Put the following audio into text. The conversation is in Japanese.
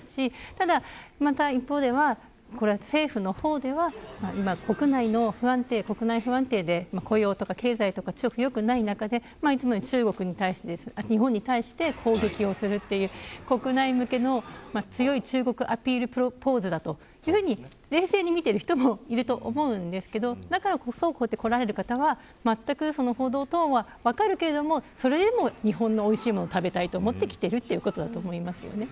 ただ、もう一方では政府の方では、国内が不安定で雇用とか経済とかが良くない中で中国に対して日本に対して攻撃するという国内向けの中国アピールプロポーズだと冷静に見ている人もいると思うんですけどだからこそ、こうやって日本に来られる方は報道なども分かるけどそれでも日本のおいしいものを食べたいと思って来ているということだと思います。